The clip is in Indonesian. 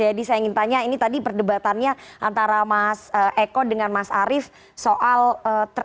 jadi saya ingin tanya ini tadi perdebatannya antara mas eko dengan mas arief soal merasa ada diperintahkan